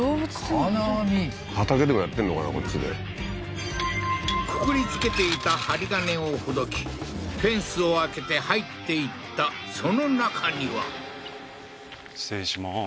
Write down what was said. こっちでくくりつけていた針金をほどきフェンスを開けて入っていったその中には失礼します